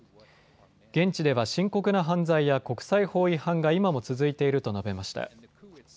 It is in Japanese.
現地では深刻な犯罪や国際法違反が今も続いていると述べました。